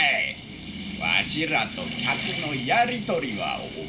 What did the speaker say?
わしらと客のやり取りはおもろいで。